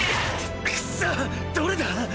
クソッどれだ